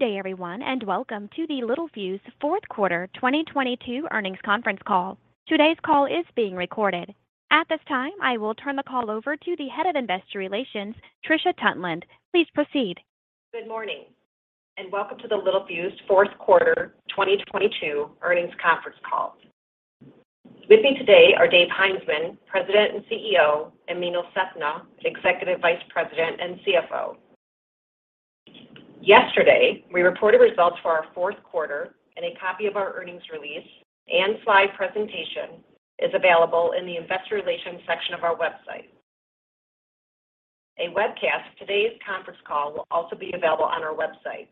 Good day, everyone, and welcome to the Littelfuse fourth quarter 2022 earnings conference call. Today's call is being recorded. At this time, I will turn the call over to the Head of Investor Relations, Trisha Tuntland. Please proceed. Good morning, and welcome to the Littelfuse fourth quarter 2022 earnings conference call. With me today are Dave Heinzmann, President and CEO, and Meenal Sethna, Executive Vice President and CFO. Yesterday, we reported results for our fourth quarter, and a copy of our earnings release and slide presentation is available in the Investor Relations section of our website. A webcast of today's conference call will also be available on our website.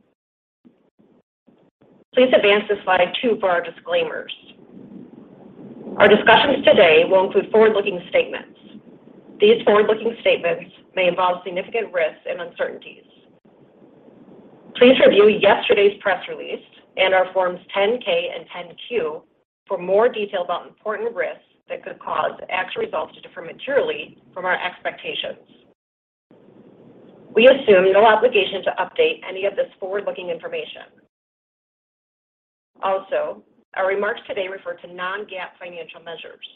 Please advance to slide 2 for our disclaimers. Our discussions today will include forward-looking statements. These forward-looking statements may involve significant risks and uncertainties. Please review yesterday's press release and our Form 10-K and Form 10-Q for more details about important risks that could cause actual results to differ materially from our expectations. We assume no obligation to update any of this forward-looking information. Also, our remarks today refer to non-GAAP financial measures.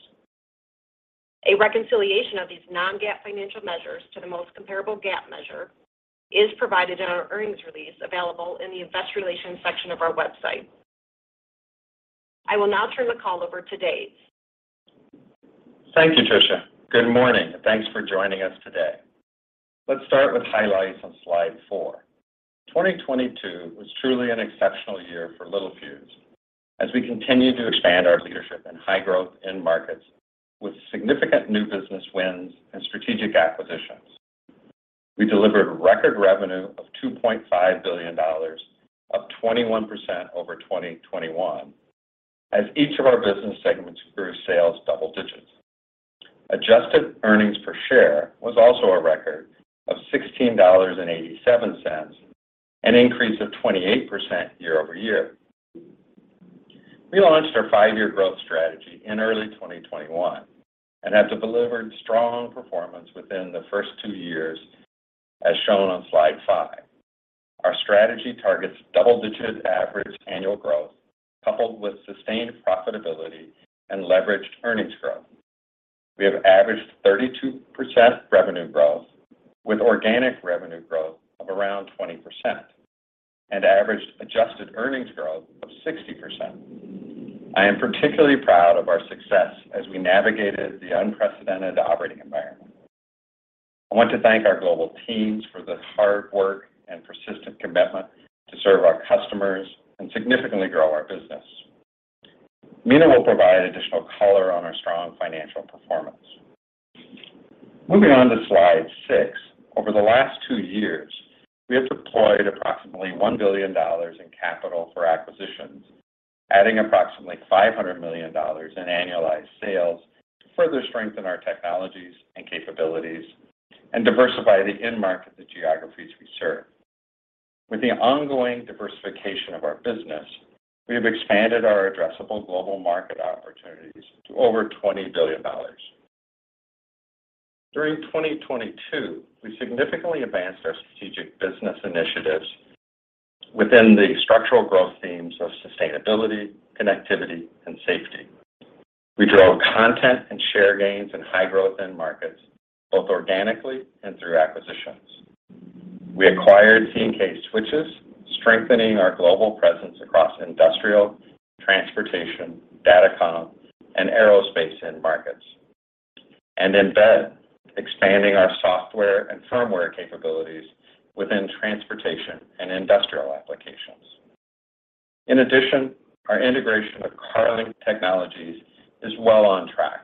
A reconciliation of these non-GAAP financial measures to the most comparable GAAP measure is provided in our earnings release available in the Investor Relations section of our website. I will now turn the call over to Dave. Thank you, Trisha. Good morning. Thanks for joining us today. Let's start with highlights on slide 4. 2022 was truly an exceptional year for Littelfuse as we continue to expand our leadership in high-growth end markets with significant new business wins and strategic acquisitions. We delivered record revenue of $2.5 billion, up 21% over 2021 as each of our business segments grew sales double digits. Adjusted earnings per share was also a record of $16.87, an increase of 28% year-over-year. We launched our five-year growth strategy in early 2021, have delivered strong performance within the first two years, as shown on slide 5. Our strategy targets double-digit average annual growth coupled with sustained profitability and leveraged earnings growth. We have averaged 32% revenue growth with organic revenue growth of around 20% and averaged adjusted earnings growth of 60%. I am particularly proud of our success as we navigated the unprecedented operating environment. I want to thank our global teams for their hard work and persistent commitment to serve our customers and significantly grow our business. Meena will provide additional color on our strong financial performance. Moving on to slide 6, over the last two years, we have deployed approximately $1 billion in capital for acquisitions, adding approximately $500 million in annualized sales to further strengthen our technologies and capabilities and diversify the end market, the geographies we serve. With the ongoing diversification of our business, we have expanded our addressable global market opportunities to over $20 billion. During 2022, we significantly advanced our strategic business initiatives within the structural growth themes of sustainability, connectivity, and safety. We drove content and share gains in high-growth end markets, both organically and through acquisitions. We acquired C&K Switches, strengthening our global presence across industrial, transportation, Datacomm, and aerospace end markets, and then Embed, expanding our software and firmware capabilities within transportation and industrial applications. In addition, our integration of Carling Technologies is well on track,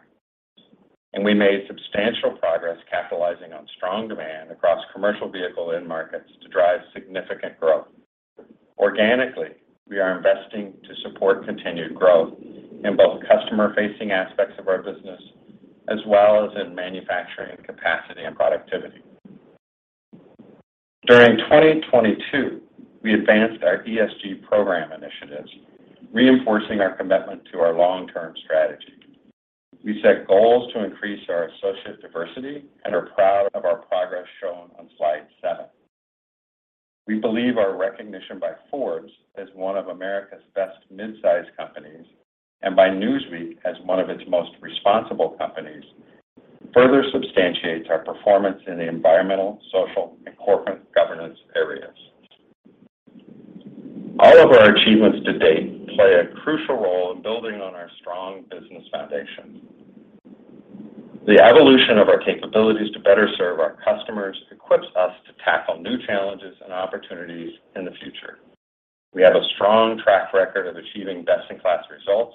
and we made substantial progress capitalizing on strong demand across commercial vehicle end markets to drive significant growth. Organically, we are investing to support continued growth in both customer-facing aspects of our business, as well as in manufacturing capacity and productivity. During 2022, we advanced our ESG program initiatives, reinforcing our commitment to our long-term strategy. We set goals to increase our associate diversity and are proud of our progress shown on slide 7. We believe our recognition by Forbes as one of America's best mid-sized companies and by Newsweek as one of its most responsible companies further substantiates our performance in the environmental, social, and corporate governance areas. All of our achievements to date play a crucial role in building on our strong business foundation. The evolution of our capabilities to better serve our customers equips us to tackle new challenges and opportunities in the future. We have a strong track record of achieving best-in-class results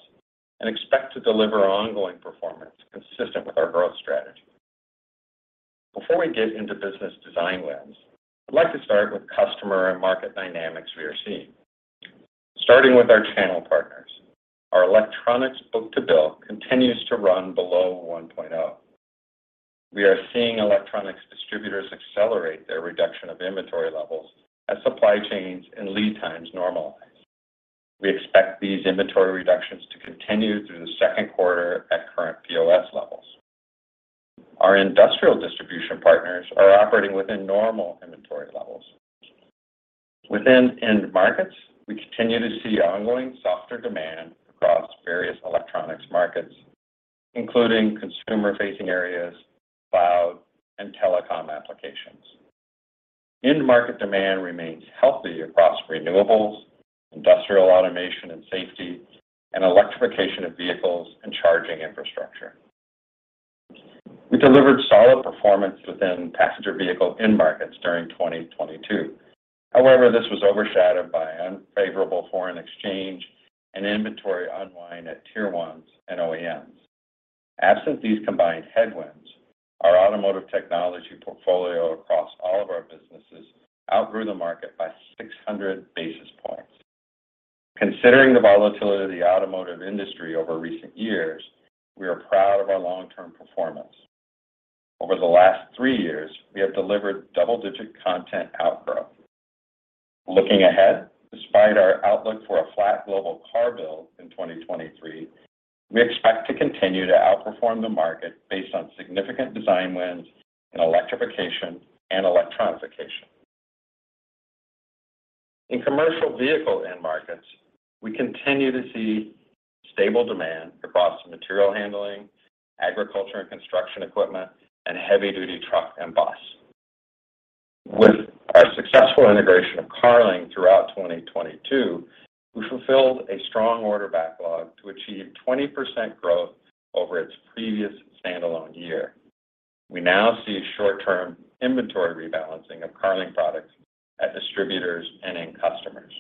and expect to deliver ongoing performance consistent with our growth strategy. Before we get into business design wins, I'd like to start with customer and market dynamics we are seeing. Starting with our channel partners, our electronics book-to-bill continues to run below 1.0. We are seeing electronics distributors accelerate their reduction of inventory levels as supply chains and lead times normalize. We expect these inventory reductions to continue through the second quarter at current POS levels. Our industrial distribution partners are operating within normal inventory levels. Within end markets, we continue to see ongoing softer demand across various electronics markets, including consumer-facing areas, cloud, and telecom applications. End market demand remains healthy across renewables, industrial automation and safety, and electrification of vehicles and charging infrastructure. We delivered solid performance within passenger vehicle end markets during 2022. This was overshadowed by unfavorable foreign exchange and inventory unwind at Tier Ones and OEMs. Absent these combined headwinds, our automotive technology portfolio across all of our businesses outgrew the market by 600 basis points. Considering the volatility of the automotive industry over recent years, we are proud of our long-term performance. Over the last three years, we have delivered double-digit content outgrowth. Looking ahead, despite our outlook for a flat global car build in 2023, we expect to continue to outperform the market based on significant design wins in electrification and electronification. In commercial vehicle end markets, we continue to see stable demand across material handling, agriculture and construction equipment, and heavy-duty truck and bus. With our successful integration of Carling throughout 2022, we fulfilled a strong order backlog to achieve 20% growth over its previous standalone year. We now see short-term inventory rebalancing of Carling products at distributors and in customers.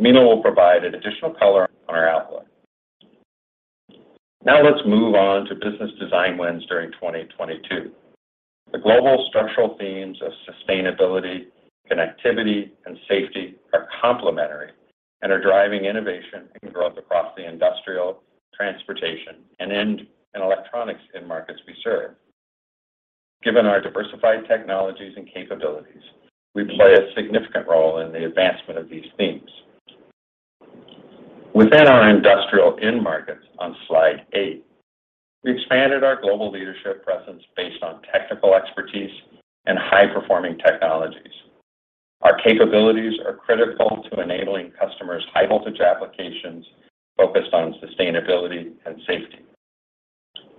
Meenal will provide an additional color on our outlook. Let's move on to business design wins during 2022. The global structural themes of sustainability, connectivity, and safety are complementary and are driving innovation and growth across the industrial, transportation, and electronics end markets we serve. Given our diversified technologies and capabilities, we play a significant role in the advancement of these themes. Within our industrial end markets on slide 8, we expanded our global leadership presence based on technical expertise and high-performing technologies. Our capabilities are critical to enabling customers' high-voltage applications focused on sustainability and safety.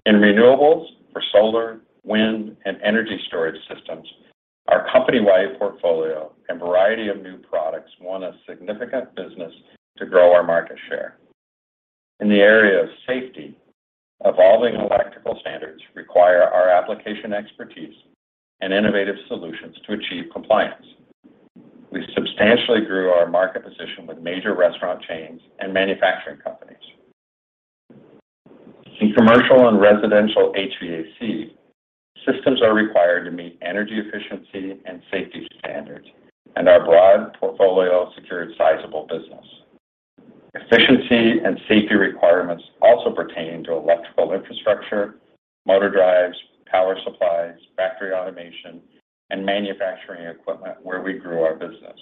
In renewables for solar, wind, and energy storage systems, our company-wide portfolio and variety of new products won a significant business to grow our market share. In the area of safety, evolving electrical standards require our application expertise and innovative solutions to achieve compliance. We substantially grew our market position with major restaurant chains and manufacturing companies. In commercial and residential HVAC, systems are required to meet energy efficiency and safety standards, and our broad portfolio secured sizable business. Efficiency and safety requirements also pertain to electrical infrastructure, motor drives, power supplies, factory automation, and manufacturing equipment where we grew our business.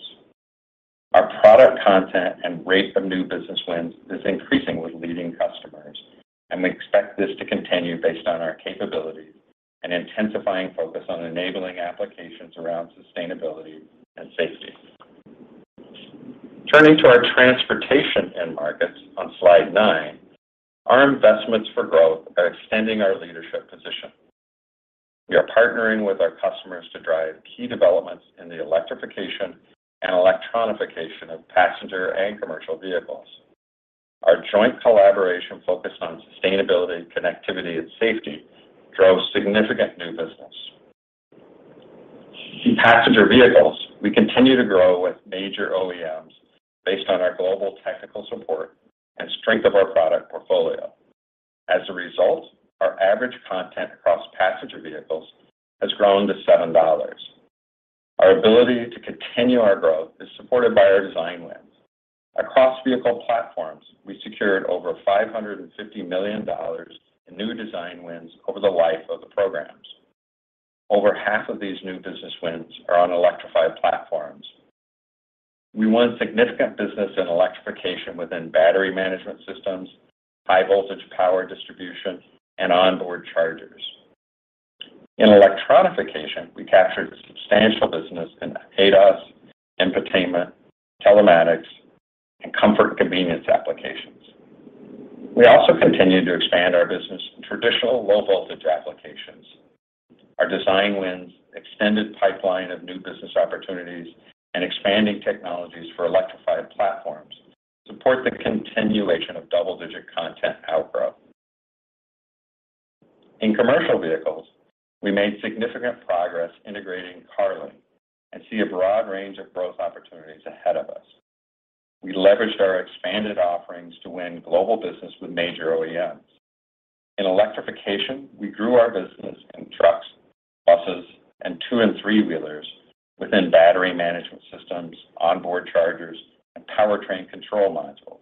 Our product content and rate of new business wins is increasingly leading customers, and we expect this to continue based on our capability and intensifying focus on enabling applications around sustainability and safety. Turning to our transportation end markets on slide 9, our investments for growth are extending our leadership position. We are partnering with our customers to drive key developments in the electrification and electronification of passenger and commercial vehicles. Our joint collaboration focused on sustainability, connectivity, and safety drove significant new business. In passenger vehicles, we continue to grow with major OEMs based on our global technical support and strength of our product portfolio. As a result, our average content across passenger vehicles has grown to $7. Our ability to continue our growth is supported by our design wins. Across vehicle platforms, we secured over $550 million in new design wins over the life of the programs. Over half of these new business wins are on electrified platforms. We won significant business in electrification within battery management systems, high voltage power distribution, and onboard chargers. In electronification, we captured substantial business in ADAS, infotainment, telematics, and comfort and convenience applications. We also continued to expand our business in traditional low-voltage applications. Our design wins extended pipeline of new business opportunities and expanding technologies for electrified platforms support the continuation of double-digit content outgrowth. In commercial vehicles, we made significant progress integrating Carling and see a broad range of growth opportunities ahead of us. We leveraged our expanded offerings to win global business with major OEMs. In electrification, we grew our business in trucks, buses, and two and three wheelers within battery management systems, onboard chargers, and powertrain control modules.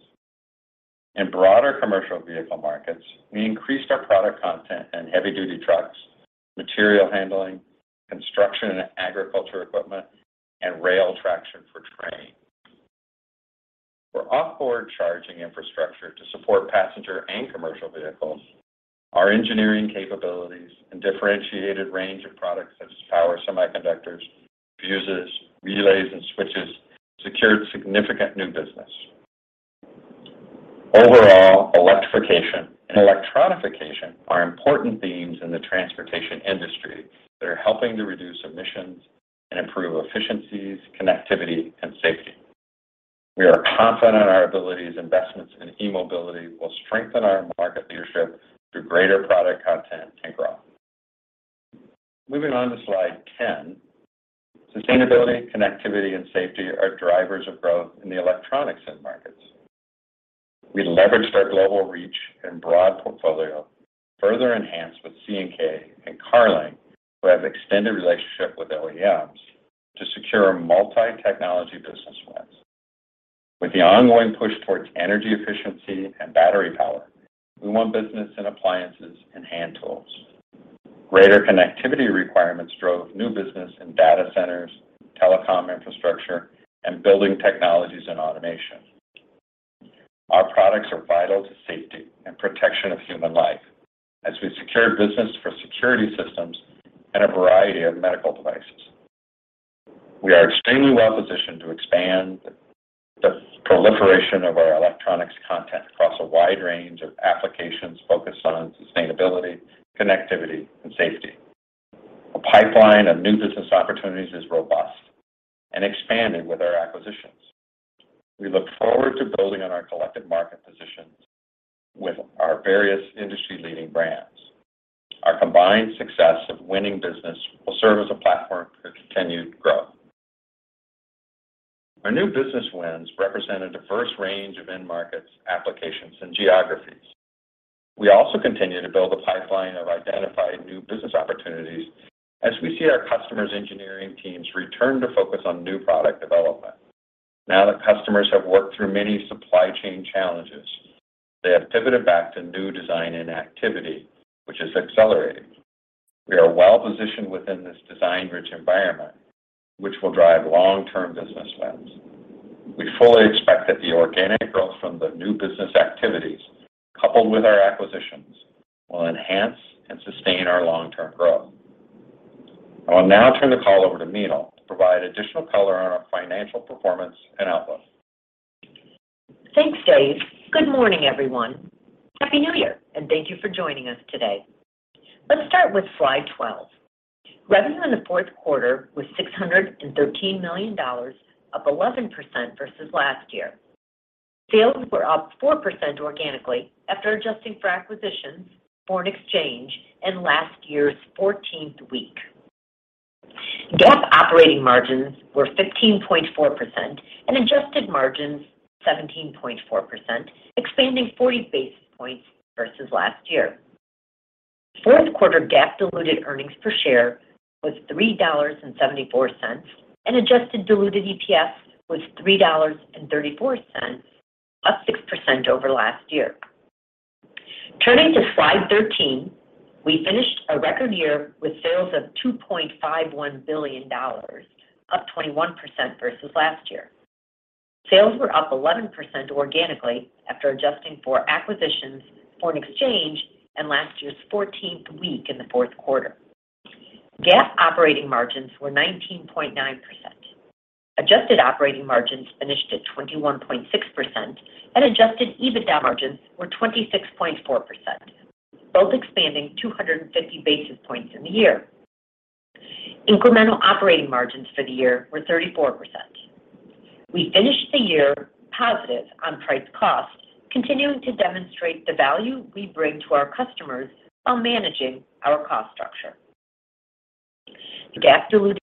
In broader commercial vehicle markets, we increased our product content in heavy duty trucks, material handling, construction and agriculture equipment, and rail traction for train for off-board charging infrastructure to support passenger and commercial vehicles, our engineering capabilities and differentiated range of products such as power semiconductors, fuses, relays, and switches secured significant new business. Overall, electrification and electronification are important themes in the transportation industry that are helping to reduce emissions and improve efficiencies, connectivity, and safety. We are confident in our abilities, investments in e-mobility will strengthen our market leadership through greater product content and growth. Moving on to slide 10. Sustainability, connectivity, and safety are drivers of growth in the electronics end markets. We leveraged our global reach and broad portfolio, further enhanced with C&K and Carling, who have extended relationship with OEMs to secure multi-technology business wins. With the ongoing push towards energy efficiency and battery power, we want business and appliances and hand tools. Greater connectivity requirements drove new business in data centers, telecom infrastructure, and building technologies and automation. Our products are vital to safety and protection of human life as we secured business for security systems and a variety of medical devices. We are extremely well-positioned to expand the proliferation of our electronics content across a wide range of applications focused on sustainability, connectivity, and safety. A pipeline of new business opportunities is robust and expanded with our acquisitions. We look forward to building on our collective market positions with our various industry-leading brands. Our combined success of winning business will serve as a platform for continued growth. Our new business wins represent a diverse range of end markets, applications, and geographies. We also continue to build a pipeline of identified new business opportunities as we see our customers' engineering teams return to focus on new product development. Now that customers have worked through many supply chain challenges, they have pivoted back to new design and activity, which is accelerating. We are well-positioned within this design-rich environment, which will drive long-term business wins. We fully expect that the organic growth from the new business activities, coupled with our acquisitions, will enhance and sustain our long-term growth. I will now turn the call over to Meenal to provide additional color on our financial performance and outlook. Thanks, Dave. Good morning, everyone. Happy New Year, and thank you for joining us today. Let's start with slide 12. Revenue in the fourth quarter was $613 million, up 11% versus last year. Sales were up 4% organically after adjusting for acquisitions, foreign exchange, and last year's 14th week. GAAP operating margins were 15.4% and adjusted margins 17.4%, expanding 40 basis points versus last year. Fourth quarter GAAP diluted earnings per share was $3.74, and adjusted diluted EPS was $3.34, up 6% over last year. Turning to slide 13, we finished a record year with sales of $2.51 billion, up 21% versus last year. Sales were up 11% organically after adjusting for acquisitions, foreign exchange, and last year's 14th week in the fourth quarter. GAAP operating margins were 19.9%. Adjusted operating margins finished at 21.6%, and Adjusted EBITDA margins were 26.4%, both expanding 250 basis points in the year. Incremental operating margins for the year were 34%. We finished the year positive on price cost, continuing to demonstrate the value we bring to our customers while managing our cost structure. The GAAP diluted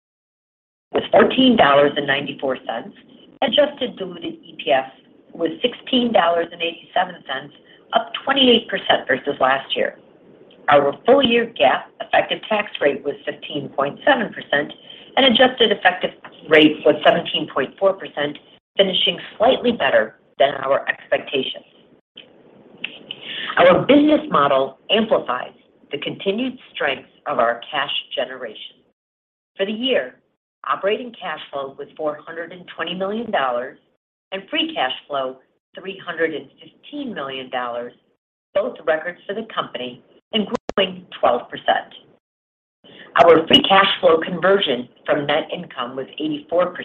was $14.94. Adjusted diluted EPS was $16.87, up 28% versus last year. Our full-year GAAP effective tax rate was 15.7%, and adjusted effective rate was 17.4%, finishing slightly better than our expectations. Our business model amplifies the continued strength of our cash generation. For the year, operating cash flow was $420 million, and free cash flow, $315 million, both records for the company and growing 12%. Our free cash flow conversion from net income was 84%,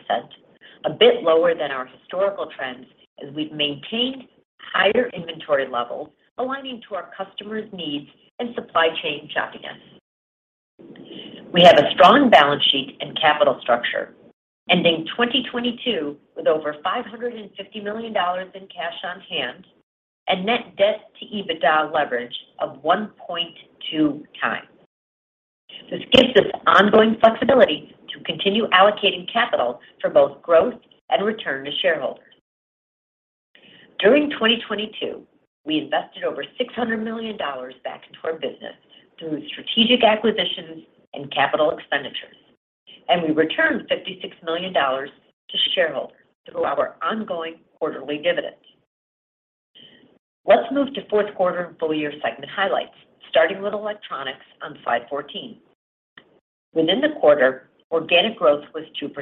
a bit lower than our historical trends as we've maintained higher inventory levels aligning to our customers' needs and supply chain sharpness. We have a strong balance sheet and capital structure, ending 2022 with over $550 million in cash on hand and net debt to EBITDA leverage of 1.2 times. This gives us ongoing flexibility to continue allocating capital for both growth and return to shareholders. During 2022, we invested over $600 million back into our business through strategic acquisitions and capital expenditures, and we returned $56 million to shareholders through our ongoing quarterly dividend. Let's move to fourth quarter and full year segment highlights, starting with electronics on slide 14. Within the quarter, organic growth was 2%.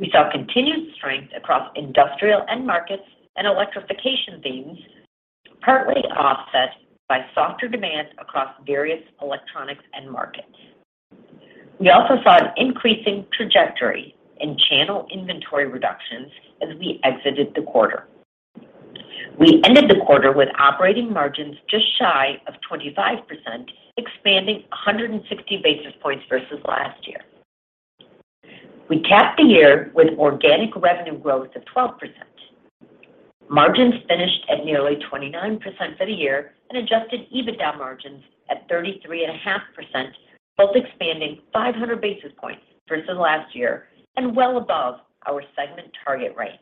We saw continued strength across industrial end markets and electrification themes, partly offset by softer demand across various electronics end markets. We also saw an increasing trajectory in channel inventory reductions as we exited the quarter. We ended the quarter with operating margins just shy of 25%, expanding 160 basis points versus last year. We capped the year with organic revenue growth of 12%. Margins finished at nearly 29% for the year and Adjusted EBITDA margins at 33.5%, both expanding 500 basis points versus last year and well above our segment target range.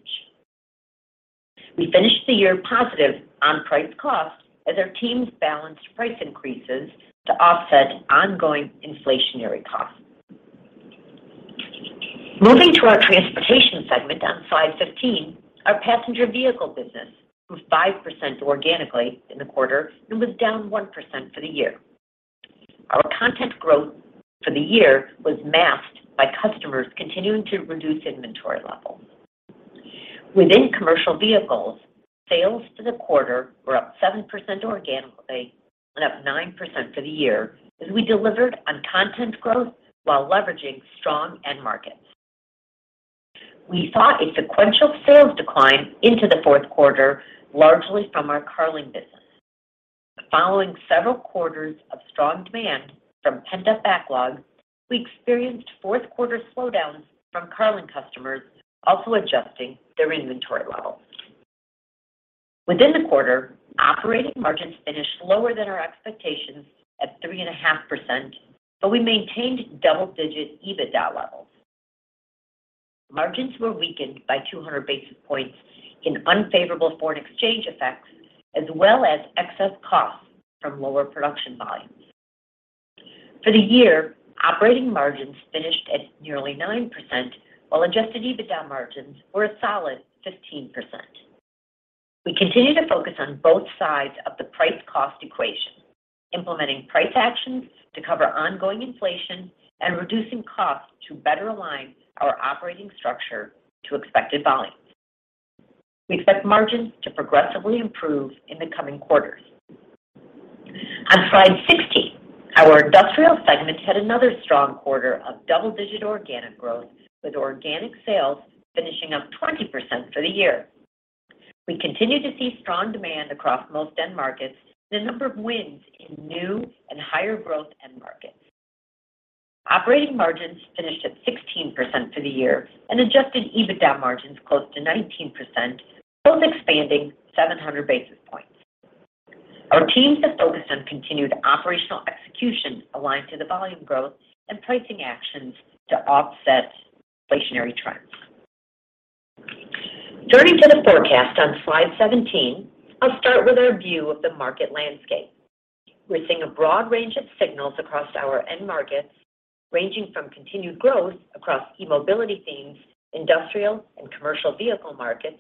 We finished the year positive on price cost as our teams balanced price increases to offset ongoing inflationary costs. Moving to our transportation segment on slide 15, our passenger vehicle business grew 5% organically in the quarter and was down 1% for the year. Our content growth for the year was masked by customers continuing to reduce inventory levels. Within commercial vehicles, sales for the quarter were up 7% organically and up 9% for the year as we delivered on content growth while leveraging strong end markets. We saw a sequential sales decline into the fourth quarter, largely from our Carling business. Following several quarters of strong demand from pent-up backlog, we experienced fourth quarter slowdowns from Carling customers also adjusting their inventory levels. Within the quarter, operating margins finished lower than our expectations at 3.5%. We maintained double-digit EBITDA levels. Margins were weakened by 200 basis points in unfavorable foreign exchange effects as well as excess costs from lower production volumes. For the year, operating margins finished at nearly 9%, while Adjusted EBITDA margins were a solid 15%. We continue to focus on both sides of the price cost equation, implementing price actions to cover ongoing inflation and reducing costs to better align our operating structure to expected volumes. We expect margins to progressively improve in the coming quarters. On slide 16, our industrial segment had another strong quarter of double-digit organic growth, with organic sales finishing up 20% for the year. We continue to see strong demand across most end markets and a number of wins in new and higher growth end markets. Operating margins finished at 16% for the year, and Adjusted EBITDA margins close to 19%, both expanding 700 basis points. Our teams have focused on continued operational execution aligned to the volume growth and pricing actions to offset inflationary trends. Turning to the forecast on slide 17, I'll start with our view of the market landscape. We're seeing a broad range of signals across our end markets, ranging from continued growth across e-mobility themes, industrial and commercial vehicle markets,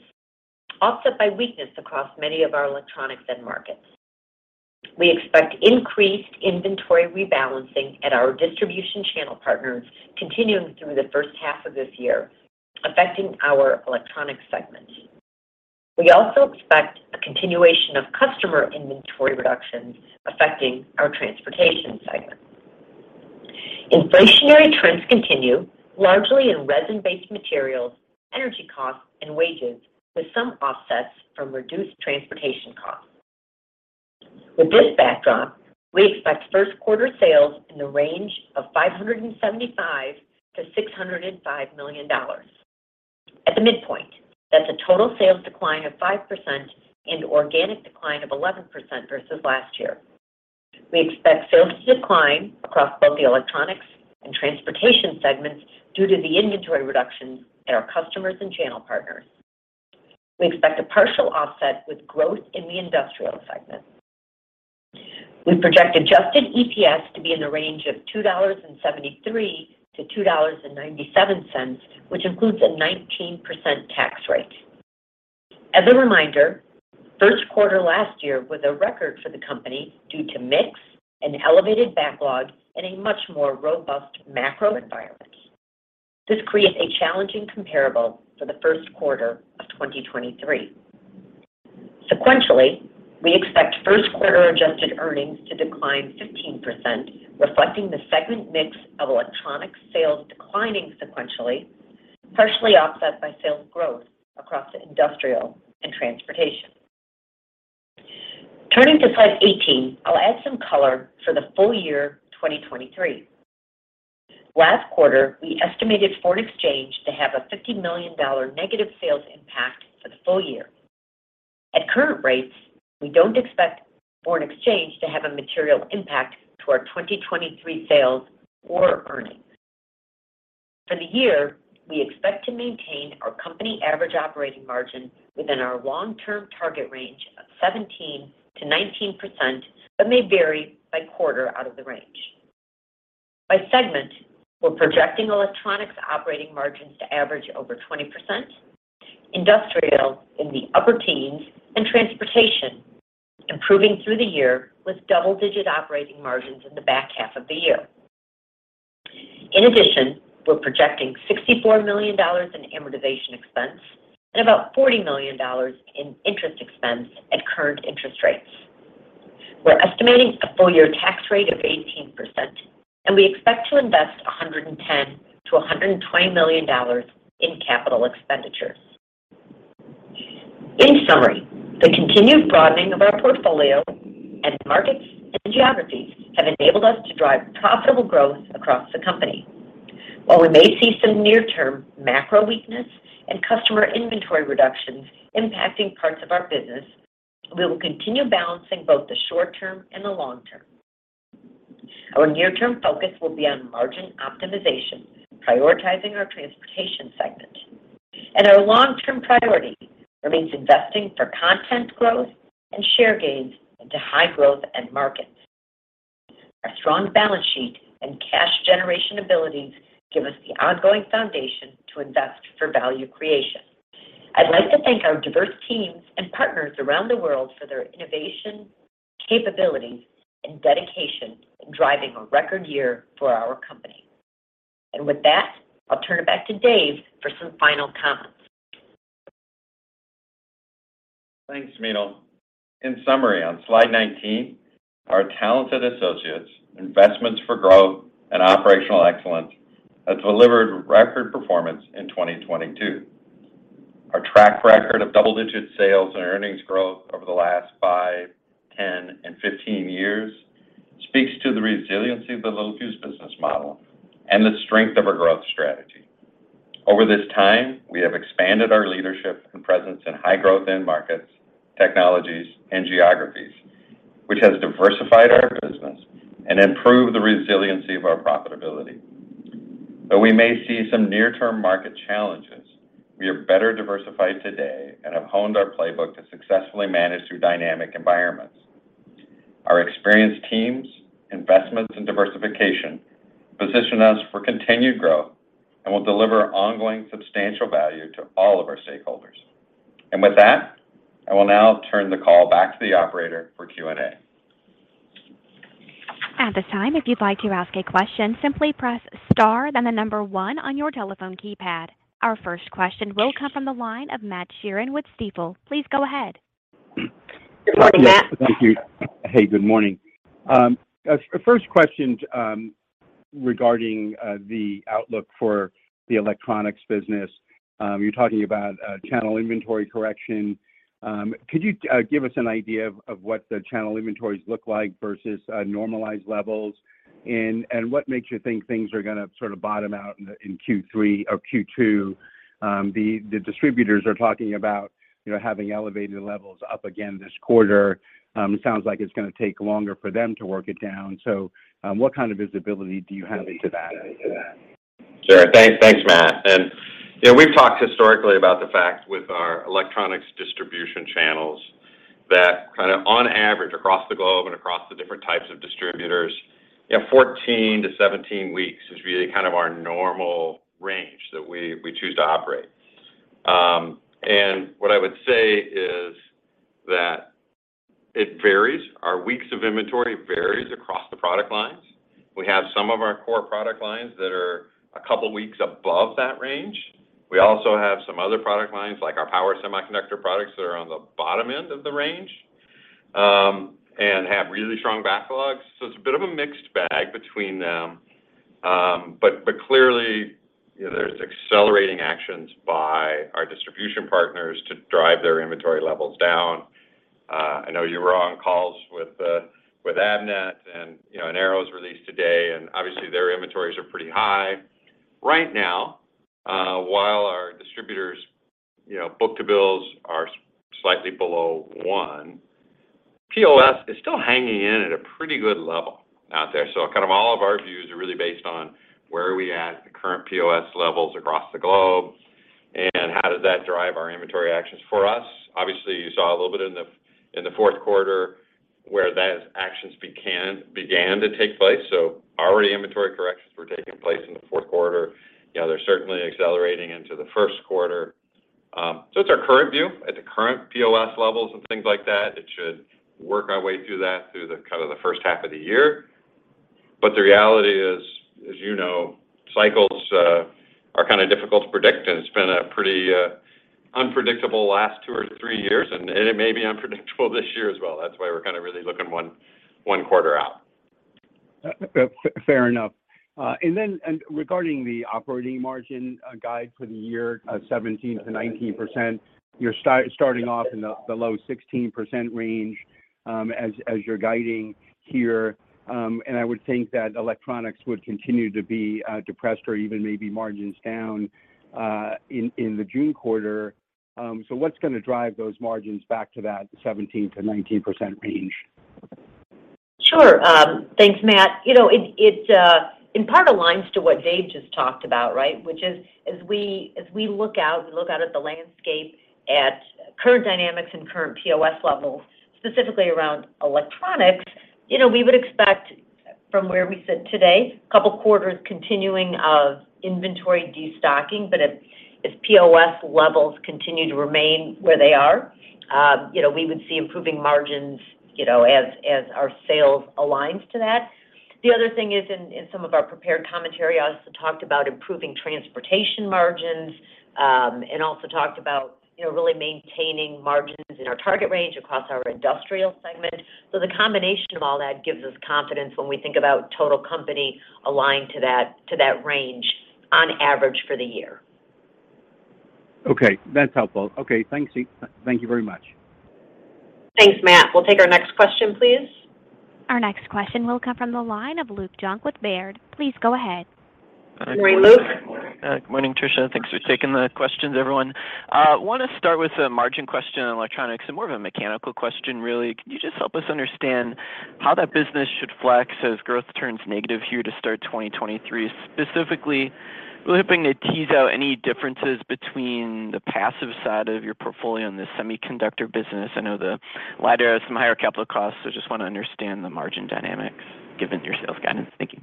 offset by weakness across many of our electronics end markets. We expect increased inventory rebalancing at our distribution channel partners continuing through the first half of this year, affecting our electronics segment. We also expect a continuation of customer inventory reductions affecting our transportation segment. Inflationary trends continue largely in resin-based materials, energy costs, and wages, with some offsets from reduced transportation costs. With this backdrop, we expect first quarter sales in the range of $575 million-$605 million. At the midpoint, that's a total sales decline of 5% and organic decline of 11% versus last year. We expect sales to decline across both the electronics and transportation segments due to the inventory reductions at our customers and channel partners. We expect a partial offset with growth in the industrial segment. We project adjusted EPS to be in the range of $2.73-$2.97, which includes a 19% tax rate. As a reminder, first quarter last year was a record for the company due to mix, an elevated backlog, and a much more robust macro environment. This creates a challenging comparable for the first quarter of 2023. Sequentially, we expect first quarter adjusted earnings to decline 15%, reflecting the segment mix of electronic sales declining sequentially, partially offset by sales growth across industrial and transportation. Turning to slide 18, I'll add some color for the full year 2023. Last quarter, we estimated foreign exchange to have a $50 million negative sales impact for the full year. At current rates, we don't expect foreign exchange to have a material impact to our 2023 sales or earnings. For the year, we expect to maintain our company average operating margin within our long-term target range of 17%-19%, but may vary by quarter out of the range. By segment, we're projecting electronics operating margins to average over 20%, industrial in the upper teens, and transportation improving through the year with double-digit operating margins in the back half of the year. In addition, we're projecting $64 million in amortization expense and about $40 million in interest expense at current interest rates. We're estimating a full year tax rate of 18%, and we expect to invest $110 million-$120 million in capital expenditures. In summary, the continued broadening of our portfolio and markets and geographies have enabled us to drive profitable growth across the company. While we may see some near-term macro weakness and customer inventory reductions impacting parts of our business, we will continue balancing both the short term and the long term. Our near-term focus will be on margin optimization, prioritizing our transportation segment. Our long-term priority remains investing for content growth and share gains into high growth end markets. Our strong balance sheet and cash generation abilities give us the ongoing foundation to invest for value creation. I'd like to thank our diverse teams and partners around the world for their innovation, capabilities, and dedication in driving a record year for our company. With that, I'll turn it back to Dave for some final comments. Thanks, Meenal. In summary, on slide 19, our talented associates, investments for growth, and operational excellence has delivered record performance in 2022. Our track record of double-digit sales and earnings growth over the last five, 10, and 15 years speaks to the resiliency of the Littelfuse business model and the strength of our growth strategy. Over this time, we have expanded our leadership and presence in high growth end markets, technologies, and geographies, which has diversified our business and improved the resiliency of our profitability. Though we may see some near-term market challenges, we are better diversified today and have honed our playbook to successfully manage through dynamic environments. Our experienced teams, investments in diversification position us for continued growth and will deliver ongoing substantial value to all of our stakeholders. With that, I will now turn the call back to the operator for Q&A. At this time, if you'd like to ask a question, simply press star then the number one on your telephone keypad. Our first question will come from the line of Matthew Sheerin with Stifel. Please go ahead. Good morning, Matt. Yes. Thank you. Hey, good morning. First question regarding the outlook for the electronics business. You're talking about channel inventory correction. Could you give us an idea of what the channel inventories look like versus normalized levels? What makes you think things are gonna sort of bottom out in Q3 or Q2? The distributors are talking about, you know, having elevated levels up again this quarter. It sounds like it's gonna take longer for them to work it down. What kind of visibility do you have to that? Sure. Thanks. Thanks, Matt. You know, we've talked historically about the fact with our electronics distribution channels that kind of on average across the globe and across the different types of distributors, you know, 14-17 weeks is really kind of our normal range that we choose to operate. What I would say is that it varies. Our weeks of inventory varies across the product lines. We have some of our core product lines that are a couple weeks above that range. We also have some other product lines, like our Power semiconductor products, that are on the bottom end of the range, and have really strong backlogs. It's a bit of a mixed bag between them. Clearly, you know, there's accelerating actions by our distribution partners to drive their inventory levels down. I know you were on calls with Avnet, you know, and Arrow's release today, and obviously their inventories are pretty high. Right now, while our distributors, you know, book-to-bills are slightly below 1, POS is still hanging in at a pretty good level out there. Kind of all of our views are really based on where are we at with the current POS levels across the globe, and how does that drive our inventory actions for us. Obviously, you saw a little bit in the fourth quarter where those actions began to take place. Already inventory corrections were taking place in the fourth quarter. You know, they're certainly accelerating into the first quarter. It's our current view at the current POS levels and things like that. It should work our way through that through the kind of the first half of the year. The reality is, as you know, cycles are kind of difficult to predict, and it's been a pretty unpredictable last two or three years, and it may be unpredictable this year as well. That's why we're kind of really looking one quarter out. Fair enough. Regarding the operating margin guide for the year of 17%-19%, you're starting off in the low 16% range as you're guiding here. I would think that electronics would continue to be depressed or even maybe margins down in the June quarter. What's gonna drive those margins back to that 17%-19% range? Sure. Thanks, Matt. You know, it, in part aligns to what Dave just talked about, right? Which is as we look out, we look out at the landscape at current dynamics and current POS levels, specifically around electronics, you know, we would expect from where we sit today, a couple quarters continuing of inventory destocking. If POS levels continue to remain where they are, you know, we would see improving margins, you know, as our sales aligns to that. The other thing is in some of our prepared commentary, I also talked about improving transportation margins, and also talked about, you know, really maintaining margins in our target range across our industrial segment. The combination of all that gives us confidence when we think about total company aligned to that range on average for the year. Okay. That's helpful. Okay, thanks. Thank you very much. Thanks, Matt. We'll take our next question, please. Our next question will come from the line of Luke Junk with Baird. Please go ahead. Morning, Luke. Morning. Good morning, Trisha. Thanks for taking the questions, everyone. Want to start with a margin question on electronics and more of a mechanical question, really. Can you just help us understand how that business should flex as growth turns negative here to start 2023? Specifically, really hoping to tease out any differences between the passive side of your portfolio and the semiconductor business. I know the latter has some higher capital costs, so just want to understand the margin dynamics given your sales guidance. Thank you.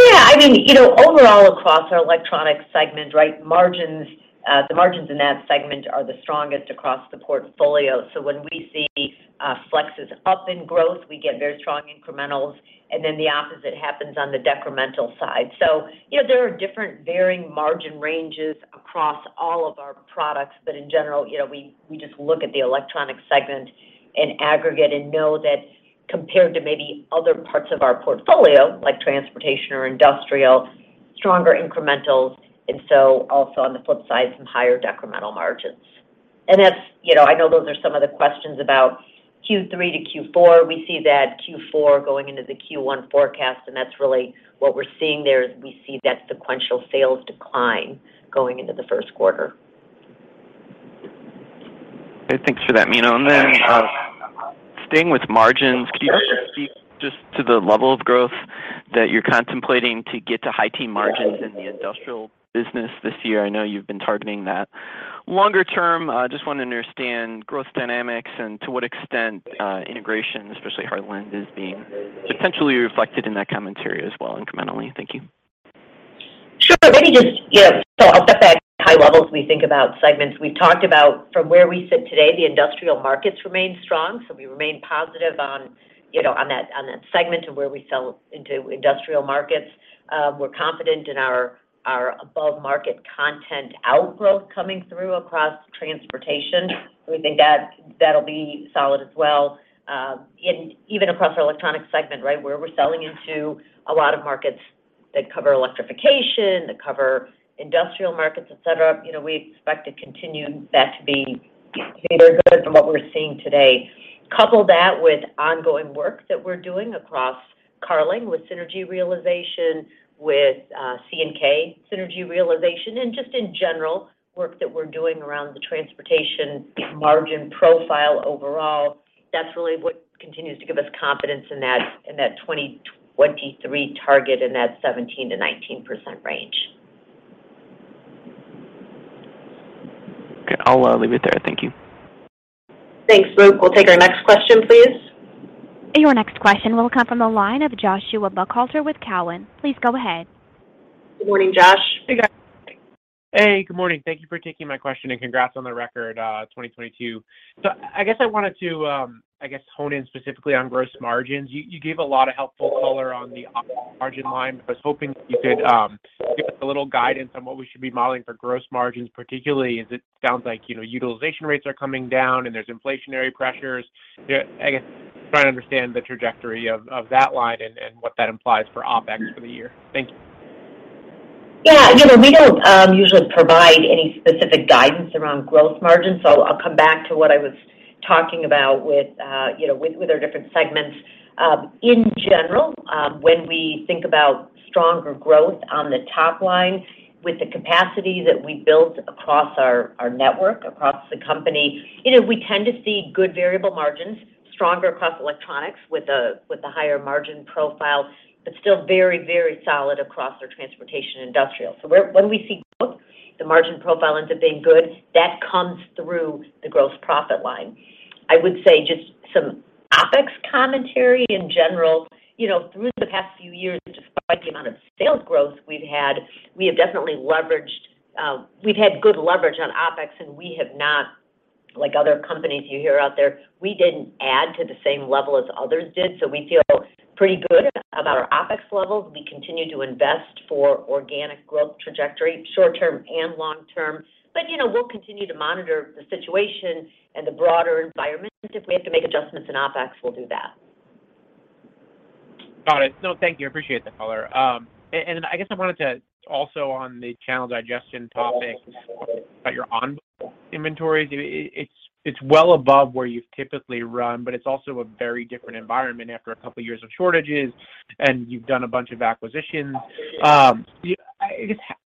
Yeah. I mean, you know, overall across our electronic segment, right, margins, the margins in that segment are the strongest across the portfolio. When we see, flexes up in growth, we get very strong incrementals, and then the opposite happens on the decremental side. You know, there are different varying margin ranges across all of our products, but in general, you know, we just look at the electronic segment in aggregate and know that compared to maybe other parts of our portfolio, like transportation or industrial, stronger incrementals, and so also on the flip side, some higher decremental margins. That's. You know, I know those are some of the questions about Q3-Q4. We see that Q4 going into the Q1 forecast, and that's really what we're seeing there, is we see that sequential sales decline going into the first quarter. Okay, thanks for that, Meena. Staying with margins, can you just speak to the level of growth that you're contemplating to get to high-teen margins in the industrial business this year? I know you've been targeting that. Longer term, just want to understand growth dynamics and to what extent, integration, especially Hartland, is being potentially reflected in that commentary as well incrementally. Thank you. Sure. Maybe just, you know, so I'll step back high levels we think about segments. We've talked about from where we sit today, the industrial markets remain strong, so we remain positive on, you know, on that, on that segment of where we sell into industrial markets. We're confident in our above market content outgrowth coming through across transportation. We think that that'll be solid as well. Even across our electronic segment, right, where we're selling into a lot of markets that cover electrification, that cover industrial markets, et cetera, you know, we expect to continue that to be very good from what we're seeing today. Couple that with ongoing work that we're doing across Carling with synergy realization, with C&K synergy realization, and just in general work that we're doing around the transportation margin profile overall. That's really what continues to give us confidence in that, in that 2023 target in that 17%-19% range. Okay. I'll leave it there. Thank you. Thanks, Luke. We'll take our next question, please. Your next question will come from the line of Joshua Buchalter with Cowen. Please go ahead. Good morning, Josh. Hey, guys. Hey, good morning. Thank you for taking my question. Congrats on the record 2022. I guess I wanted to, I guess hone in specifically on gross margins. You, you gave a lot of helpful color on the margin line, but I was hoping you could give us a little guidance on what we should be modeling for gross margins particularly, as it sounds like, you know, utilization rates are coming down and there's inflationary pressures. You know, I guess trying to understand the trajectory of that line and what that implies for OpEx for the year. Thank you. Yeah. You know, we don't usually provide any specific guidance around growth margins, so I'll come back to what I was talking about with, you know, with our different segments. In general, when we think about stronger growth on the top line with the capacity that we built across our network, across the company, you know, we tend to see good variable margins, stronger across electronics with a, with a higher margin profile, but still very, very solid across our transportation industrial. When we see growth, the margin profile ends up being good. That comes through the gross profit line. I would say just some OpEx commentary in general. You know, through the past few years, despite the amount of sales growth we've had, we have definitely leveraged, we've had good leverage on OpEx, and we have not, like other companies you hear out there, we didn't add to the same level as others did. We feel pretty good about our OpEx levels. We continue to invest for organic growth trajectory, short-term and long-term. You know, we'll continue to monitor the situation and the broader environment. If we have to make adjustments in OpEx, we'll do that. Got it. No, thank you. I appreciate the color. I guess I wanted to also on the channel digestion topic about your on-book inventories. It's well above where you've typically run, but it's also a very different environment after a couple of years of shortages, and you've done a bunch of acquisitions.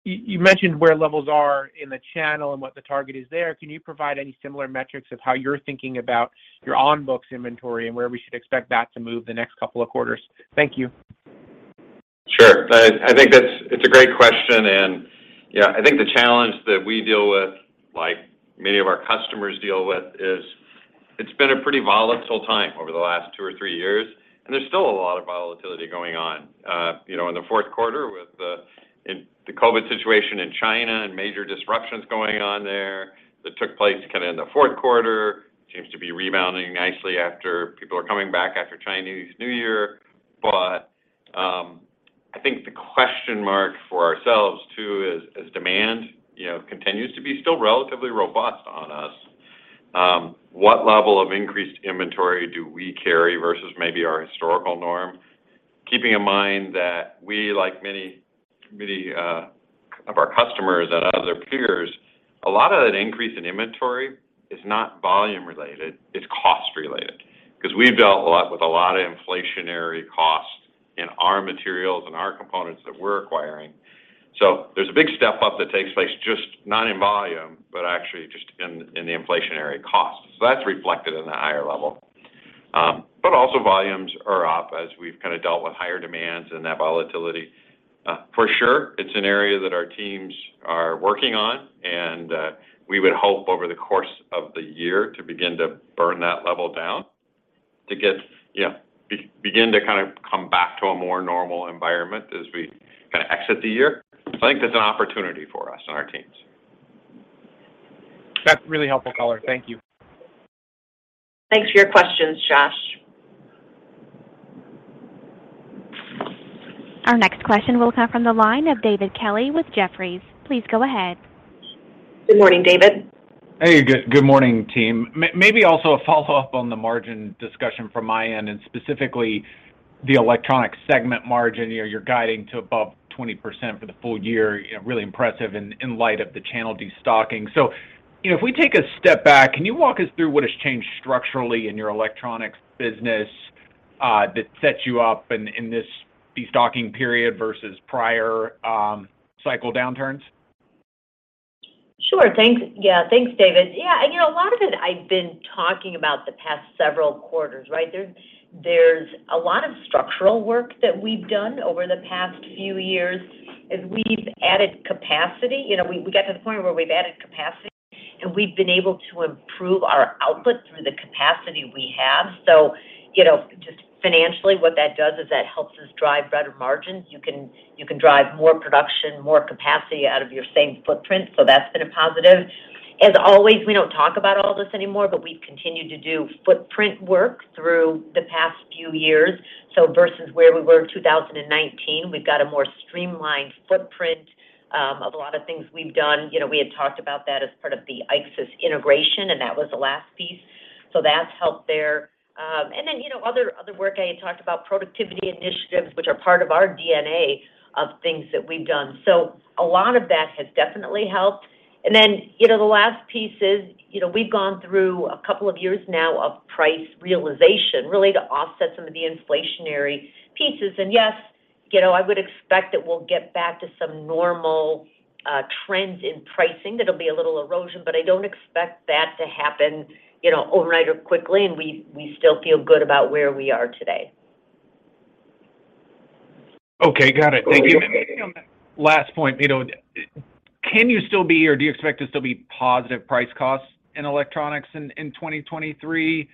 You mentioned where levels are in the channel and what the target is there. Can you provide any similar metrics of how you're thinking about your on-books inventory and where we should expect that to move the next couple of quarters? Thank you. Sure. I think it's a great question. Yeah, I think the challenge that we deal with, like many of our customers deal with, is it's been a pretty volatile time over the last two or three years, and there's still a lot of volatility going on. you know, in the fourth quarter with the COVID situation in China and major disruptions going on there that took place kind of in the fourth quarter. Seems to be rebounding nicely after people are coming back after Chinese New Year. I think the question mark for ourselves too is, as demand, you know, continues to be still relatively robust on us, what level of increased inventory do we carry versus maybe our historical norm? Keeping in mind that we, like many, many of our customers and other peers, a lot of that increase in inventory is not volume related, it's cost related, because we've dealt a lot with a lot of inflationary costs in our materials and our components that we're acquiring. There's a big step up that takes place just not in volume, but actually just in the inflationary cost. That's reflected in the higher level. Also volumes are up as we've kind of dealt with higher demands and that volatility. For sure it's an area that our teams are working on, and we would hope over the course of the year to begin to burn that level down to get. You know, begin to kind of come back to a more normal environment as we kind of exit the year. I think that's an opportunity for us and our teams. That's really helpful color. Thank you. Thanks for your questions, Josh. Our next question will come from the line of David Kelley with Jefferies. Please go ahead. Good morning, David. Hey, good morning, team. Maybe also a follow-up on the margin discussion from my end, and specifically the electronic segment margin. You know, you're guiding to above 20% for the full year, you know, really impressive in light of the channel destocking. You know, if we take a step back, can you walk us through what has changed structurally in your electronics business that sets you up in this destocking period versus prior cycle downturns? Sure. Thanks. Thanks, David. You know, a lot of it I've been talking about the past several quarters, right? There's a lot of structural work that we've done over the past few years as we've added capacity. You know, we got to the point where we've added capacity, and we've been able to improve our output through the capacity we have. You know, just financially, what that does is that helps us drive better margins. You can drive more production, more capacity out of your same footprint, so that's been a positive. As always, we don't talk about all this anymore, but we've continued to do footprint work through the past few years. Versus where we were in 2019, we've got a more streamlined footprint of a lot of things we've done. You know, we had talked about that as part of the IXYS integration. That was the last piece. That's helped there. You know, other work, I had talked about productivity initiatives, which are part of our DNA of things that we've done. A lot of that has definitely helped. The last piece is, you know, we've gone through a couple of years now of price realization, really to offset some of the inflationary pieces. Yes, you know, I would expect that we'll get back to some normal trends in pricing. That'll be a little erosion, but I don't expect that to happen, you know, overnight or quickly. We still feel good about where we are today. Okay. Got it. Thank you. Great. Maybe on that last point, you know, can you still be, or do you expect to still be positive price costs in electronics in 2023?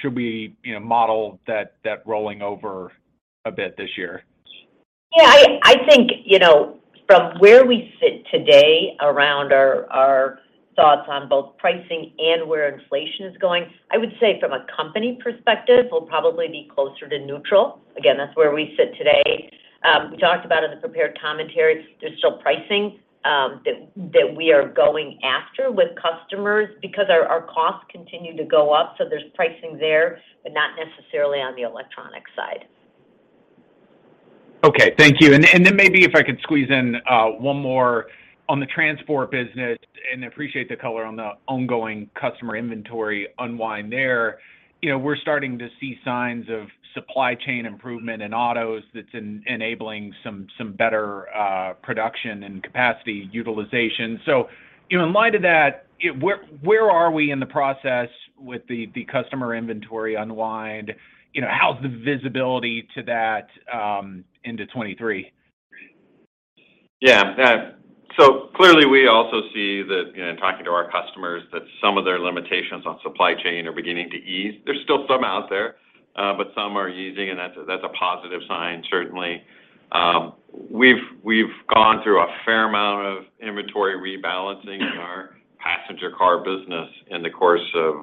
Should we, you know, model that rolling over a bit this year? Yeah, I think, you know, from where we sit today around our thoughts on both pricing and where inflation is going, I would say from a company perspective, we'll probably be closer to neutral. Again, that's where we sit today. We talked about in the prepared commentary, there's still pricing that we are going after with customers because our costs continue to go up. There's pricing there, but not necessarily on the electronic side. Okay. Thank you. Then maybe if I could squeeze in one more on the transport business, and appreciate the color on the ongoing customer inventory unwind there. You know, we're starting to see signs of supply chain improvement in autos that's enabling some better production and capacity utilization. You know, in light of that, where are we in the process with the customer inventory unwind? You know, how's the visibility to that into 2023? Clearly we also see that, you know, in talking to our customers that some of their limitations on supply chain are beginning to ease. There's still some out there, some are easing, that's a positive sign certainly. We've gone through a fair amount of inventory rebalancing in our passenger car business in the course of,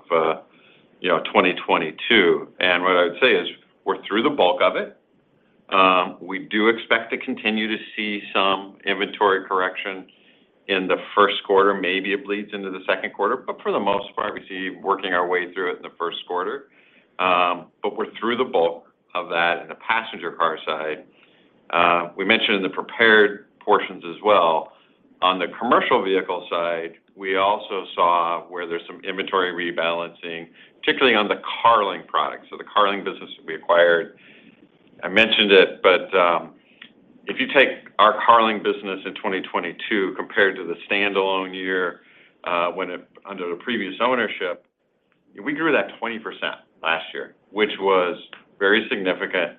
you know, 2022. What I would say is we're through the bulk of it. We do expect to continue to see some inventory correction in the first quarter. Maybe it bleeds into the second quarter, for the most part, we see working our way through it in the first quarter. We're through the bulk of that in the passenger car side. We mentioned in the prepared portions as well, on the commercial vehicle side, we also saw where there's some inventory rebalancing, particularly on the Carling products. The Carling business that we acquired, I mentioned it, but if you take our Carling business in 2022 compared to the stand-alone year, under the previous ownership, we grew that 20% last year, which was very significant.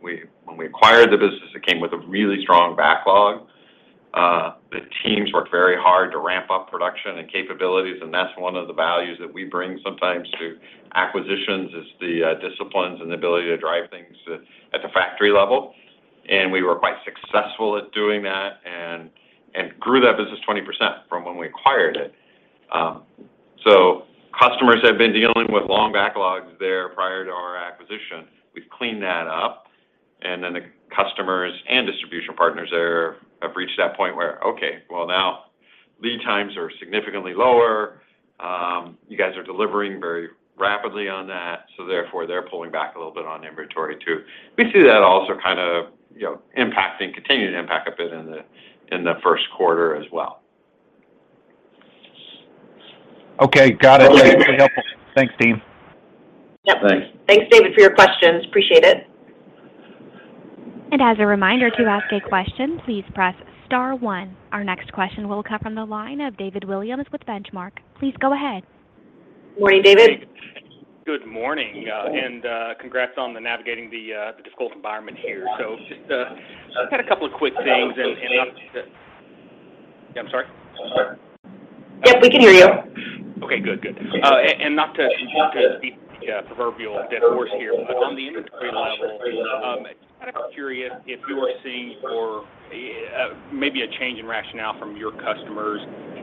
When we acquired the business, it came with a really strong backlog. The teams worked very hard to ramp up production and capabilities, and that's one of the values that we bring sometimes to acquisitions is the disciplines and ability to drive things at the factory level. We were quite successful at doing that and grew that business 20% from when we acquired it. Customers have been dealing with long backlogs there prior to our acquisition. We've cleaned that up, the customers and distribution partners there have reached that point where, okay, well, now lead times are significantly lower. You guys are delivering very rapidly on that, they're pulling back a little bit on inventory too. We see that also kind of, you know, impacting, continuing to impact a bit in the first quarter as well. Okay. Got it. That's really helpful. Thanks, Dave. Thanks. Yep. Thanks, David, for your questions. Appreciate it. As a reminder to ask a question, please press star one. Our next question will come from the line of David Williams with Benchmark. Please go ahead. Morning, David. Good morning. Congrats on navigating the discourse environment here. Just had a couple of quick things and I'm... Yeah. I'm sorry. Yep, we can hear you. Okay. Good. Good. Not to beat a proverbial dead horse here, but on the inventory level, kind of curious if you are seeing or maybe a change in rationale from your customers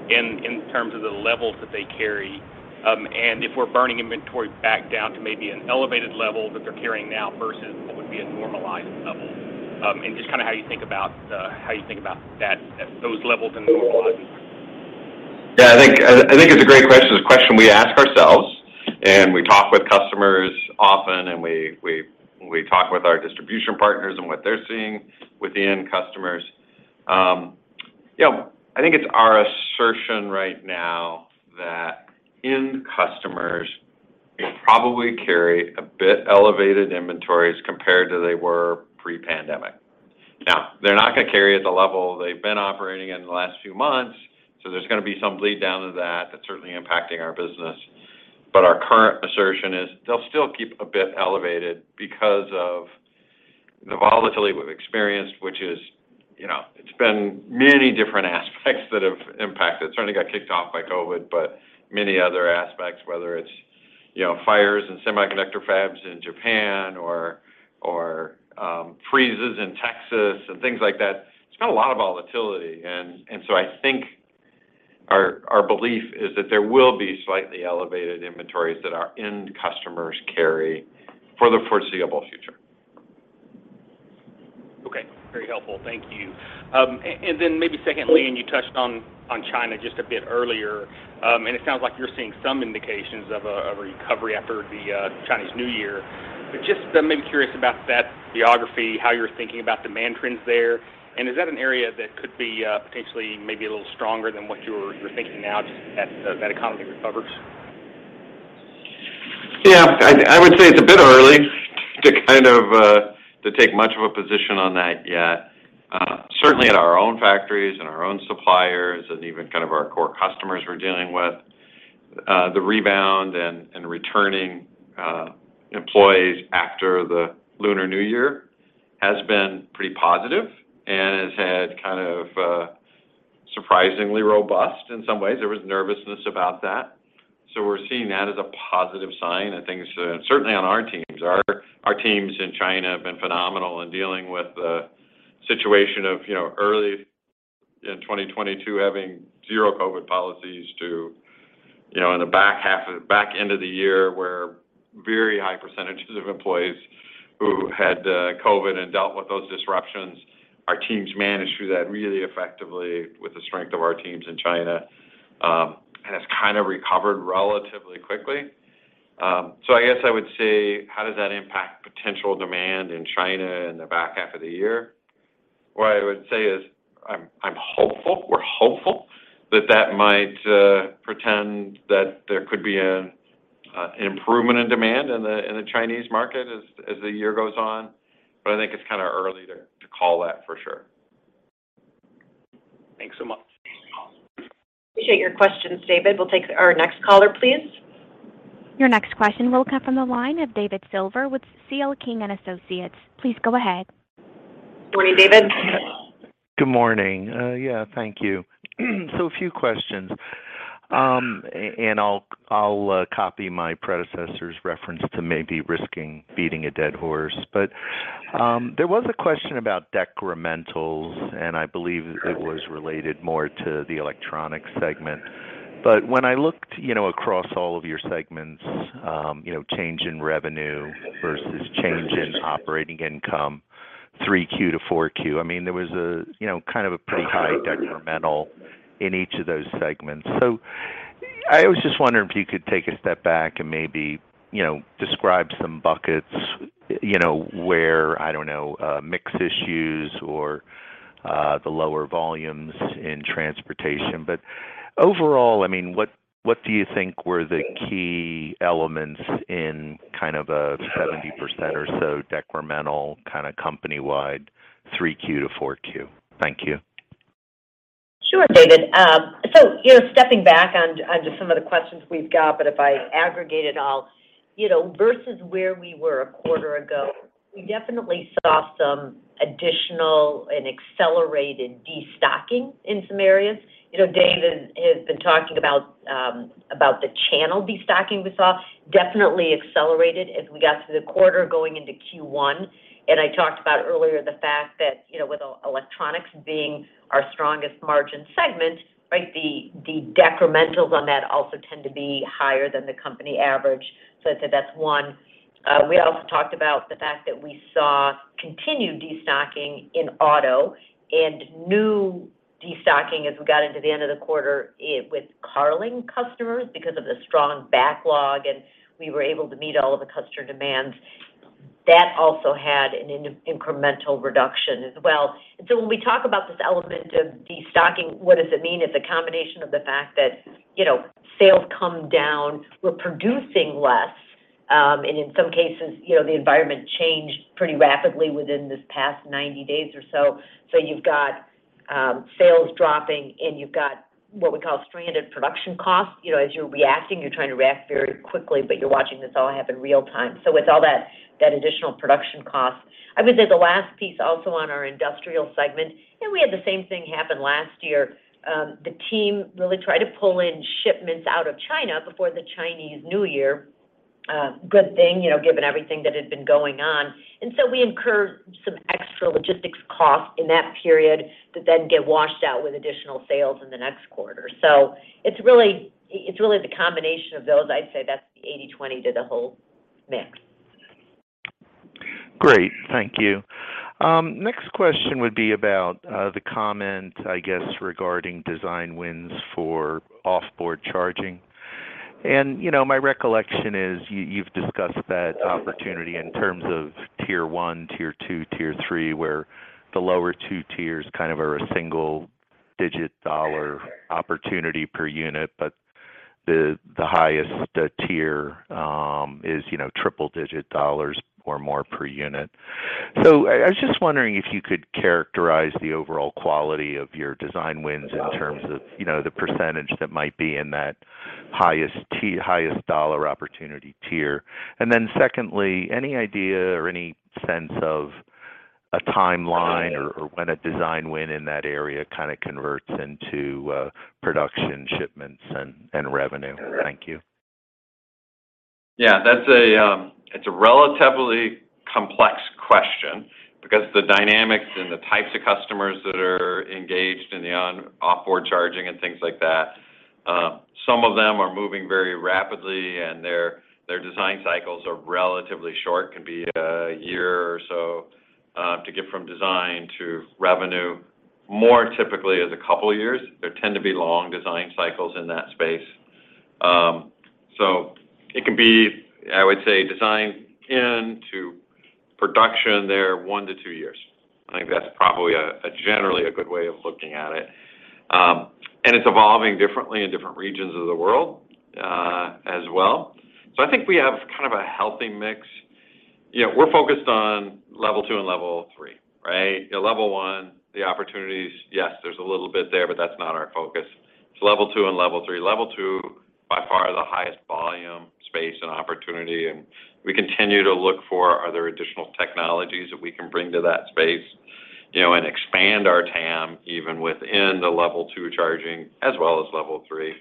in terms of the levels that they carry. If we're burning inventory back down to maybe an elevated level that they're carrying now versus what would be a normalized level. Just kind of how you think about that, those levels and the normalized. Yeah, I think, I think it's a great question. It's a question we ask ourselves, and we talk with customers often, and we talk with our distribution partners and what they're seeing with the end customers. You know, I think it's our assertion right now that end customers will probably carry a bit elevated inventories compared to they were pre-pandemic. Now, they're not gonna carry at the level they've been operating in the last few months, so there's gonna be some bleed down to that. That's certainly impacting our business. Our current assertion is they'll still keep a bit elevated because of the volatility we've experienced, which is, you know, it's been many different aspects that have impacted. Certainly got kicked off by COVID, but many other aspects, whether it's, you know, fires in semiconductor fabs in Japan or freezes in Texas and things like that. It's been a lot of volatility. I think our belief is that there will be slightly elevated inventories that our end customers carry for the foreseeable future. Okay. Very helpful. Thank you. Then maybe secondly, and you touched on China just a bit earlier. It sounds like you're seeing some indications of a, of a recovery after the Chinese New Year. Just, I'm maybe curious about that geography, how you're thinking about demand trends there, and is that an area that could be, potentially maybe a little stronger than what you're thinking now just as that economy recovers? Yeah. I would say it's a bit early to kind of to take much of a position on that yet. Certainly at our own factories and our own suppliers and even kind of our core customers we're dealing with, the rebound and returning employees after the Lunar New Year has been pretty positive and has had kind of surprisingly robust in some ways. There was nervousness about that. We're seeing that as a positive sign. I think so. Certainly on our teams. Our teams in China have been phenomenal in dealing with the situation of, you know, early in 2022 having zero COVID policies to, you know, in the back end of the year, where very high percentages of employees who had COVID and dealt with those disruptions. Our teams managed through that really effectively with the strength of our teams in China and has kinda recovered relatively quickly. I guess I would say how does that impact potential demand in China in the back half of the year? What I would say is I'm hopeful, we're hopeful that that might portend that there could be an improvement in demand in the Chinese market as the year goes on. I think it's kinda early to call that for sure. Thanks so much. Appreciate your questions, David. We'll take our next caller, please. Your next question will come from the line of David Silver with C.L. King & Associates. Please go ahead. Morning, David. Good morning. Yeah. Thank you. A few questions. And I'll copy my predecessor's reference to maybe risking beating a dead horse. There was a question about decrementals, and I believe it was related more to the electronic segment. When I looked, you know, across all of your segments, you know, change in revenue versus change in operating income, 3Q-4Q, I mean, there was a, you know, kind of a pretty high decremental in each of those segments. I was just wondering if you could take a step back and maybe, you know, describe some buckets, you know, where, I don't know, mix issues or the lower volumes in transportation? Overall, I mean, what do you think were the key elements in kind of a 70% or so decremental kind of company-wide 3Q-4Q? Thank you. Sure, David. You know, stepping back on just some of the questions we've got, but if I aggregate it all, you know, versus where we were a quarter ago, we definitely saw some additional and accelerated destocking in some areas. You know, David has been talking about the channel destocking we saw definitely accelerated as we got through the quarter going into Q1. I talked about earlier the fact that, you know, with electronics being our strongest margin segment, right, the decrementals on that also tend to be higher than the company average. I'd say that's one. We also talked about the fact that we saw continued destocking in auto and new destocking as we got into the end of the quarter with Carling customers because of the strong backlog, and we were able to meet all of the customer demands. That also had an in-incremental reduction as well. When we talk about this element of destocking, what does it mean? It's a combination of the fact that, you know, sales come down, we're producing less, and in some cases, you know, the environment changed pretty rapidly within this past 90 days or so. You've got sales dropping, and you've got what we call stranded production costs. You know, as you're reacting, you're trying to react very quickly, but you're watching this all happen real time. It's all that additional production cost. I would say the last piece also on our industrial segment, and we had the same thing happen last year, the team really tried to pull in shipments out of China before the Chinese New Year. Good thing, you know, given everything that had been going on. We incurred some extra logistics costs in that period that then get washed out with additional sales in the next quarter. It's really the combination of those. I'd say that's the 80/20 to the whole mix. Great. Thank you. Next question would be about the comment, I guess, regarding design wins for off-board charging. You know, my recollection is you've discussed that opportunity in terms of tier 1, tier 2, tier 3, where the lower two tiers kind of are a single-digit dollar opportunity per unit, but the highest tier is, you know, triple-digit dollars or more per unit. I was just wondering if you could characterize the overall quality of your design wins in terms of, you know, the percentage that might be in that highest dollar opportunity tier. Secondly, any idea or any sense of a timeline or when a design win in that area kind of converts into production shipments and revenue? Thank you. That's a relatively complex question because the dynamics and the types of customers that are engaged in the off-board charging and things like that, some of them are moving very rapidly, and their design cycles are relatively short. Can be a year or so to get from design to revenue. More typically is a couple of years. There tend to be long design cycles in that space. So it can be, I would say, design in to production, they're 1-2 years. I think that's probably a generally a good way of looking at it. And it's evolving differently in different regions of the world as well. I think we have kind of a healthy mix. You know, we're focused on Level 2 and Level 3, right? At level one, the opportunities, yes, there's a little bit there, but that's not our focus. It's level two and level three. Level two, by far the highest volume, space, and opportunity. We continue to look for are there additional technologies that we can bring to that space, you know, and expand our TAM even within the level two charging as well as level three.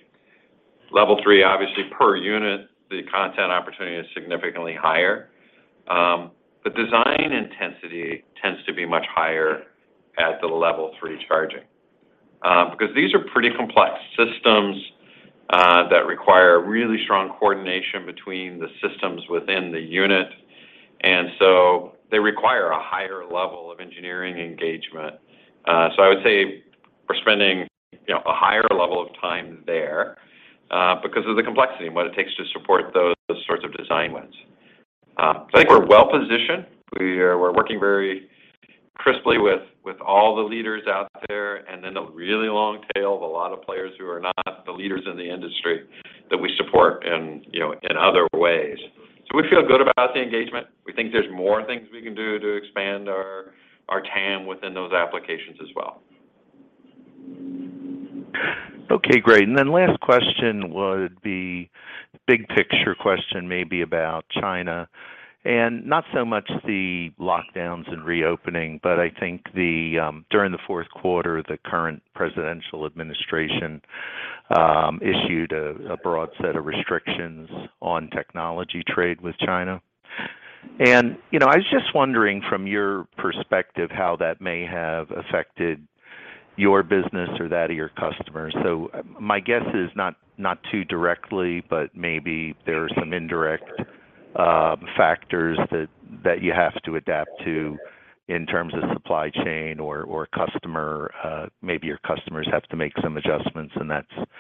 Level three, obviously per unit, the content opportunity is significantly higher. The design intensity tends to be much higher at the level three charging because these are pretty complex systems that require really strong coordination between the systems within the unit, and so they require a higher level of engineering engagement. I would say we're spending, you know, a higher level of time there because of the complexity and what it takes to support those sorts of design wins. I think we're well-positioned. We're working very crisply with all the leaders out there, and then the really long tail of a lot of players who are not the leaders in the industry that we support in, you know, in other ways. We feel good about the engagement. We think there's more things we can do to expand our TAM within those applications as well. Okay, great. Then last question would be big picture question maybe about China, not so much the lockdowns and reopening, but I think the during the fourth quarter, the current presidential administration issued a broad set of restrictions on technology trade with China. You know, I was just wondering from your perspective, how that may have affected your business or that of your customers. My guess is not too directly, but maybe there are some indirect factors that you have to adapt to in terms of supply chain or customer. Maybe your customers have to make some adjustments, and that's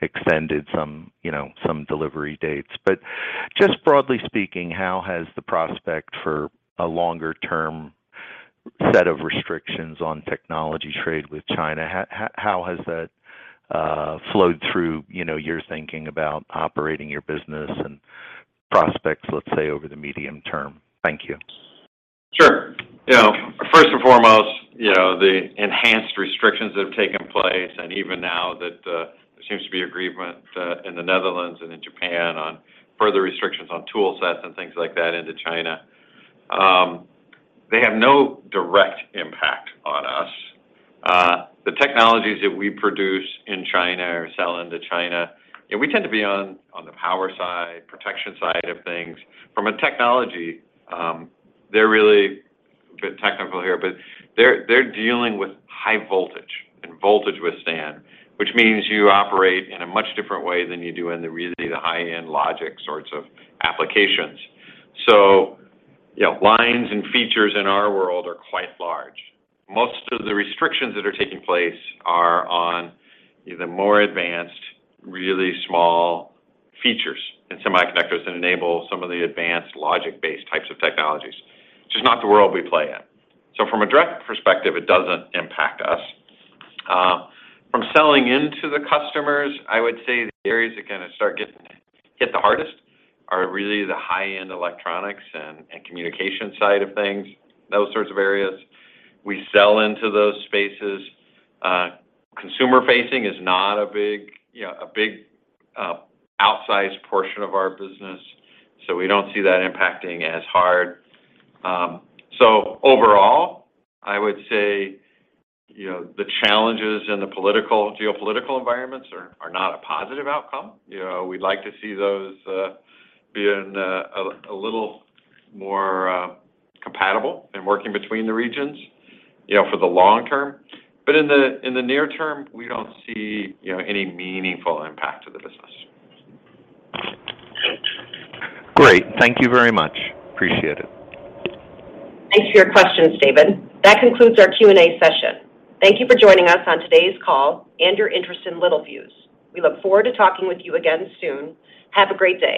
extended some, you know, some delivery dates. Just broadly speaking, how has the prospect for a longer termSet of restrictions on technology trade with China. How has that flowed through, you know, your thinking about operating your business and prospects, let's say, over the medium term? Thank you. Sure. You know, first and foremost, you know, the enhanced restrictions that have taken place, and even now that, there seems to be agreement, in the Netherlands and in Japan on further restrictions on tool sets and things like that into China, they have no direct impact on us. The technologies that we produce in China or sell into China, and we tend to be on the power side, protection side of things. From a technology, they're really technical here, but they're dealing with high voltage and voltage withstand, which means you operate in a much different way than you do in the really the high-end logic sorts of applications. You know, lines and features in our world are quite large. Most of the restrictions that are taking place are on the more advanced, really small features in semiconductors that enable some of the advanced logic-based types of technologies, which is not the world we play in. From a direct perspective, it doesn't impact us. From selling into the customers, I would say the areas that kinda start getting hit the hardest are really the high-end electronics and communication side of things, those sorts of areas. We sell into those spaces. Consumer-facing is not a big, you know, a big outsized portion of our business, we don't see that impacting as hard. Overall, I would say, you know, the challenges in the political geopolitical environments are not a positive outcome. You know, we'd like to see those, be in a little more, compatible and working between the regions, you know, for the long term. In the, in the near term, we don't see, you know, any meaningful impact to the business. Great. Thank you very much. Appreciate it. Thanks for your questions, David. That concludes our Q&A session. Thank you for joining us on today's call and your interest in Littelfuse. We look forward to talking with you again soon. Have a great day.